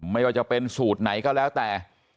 ไม่ว่าจะเป็นสูตรไหนก็แล้วแต่